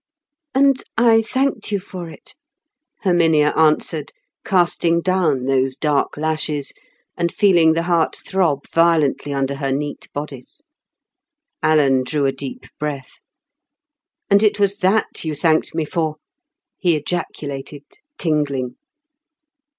"And I thanked you for it," Herminia answered, casting down those dark lashes, and feeling the heart throb violently under her neat bodice. Alan drew a deep breath. "And it was that you thanked me for," he ejaculated, tingling.